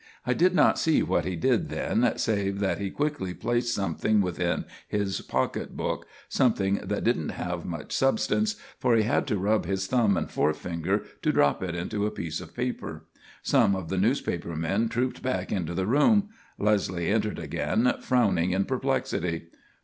I did not see what he did then, save that he quickly placed something within his pocketbook, something that didn't have much substance, for he had to rub his thumb and forefinger to drop it into a piece of paper. Some of the newspaper men trooped back into the room; Leslie entered again, frowning in perplexity.